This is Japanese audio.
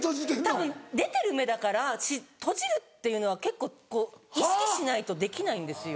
たぶん出てる目だから閉じるっていうのは結構意識しないとできないんですよ。